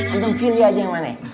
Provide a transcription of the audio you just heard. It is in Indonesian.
antun pilih aja yang mana